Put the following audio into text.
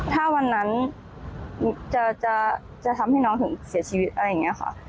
ถ้าวันนั้นจะทำให้น้องถึงเสียชีวิตอะไรอย่างนี้ค่ะ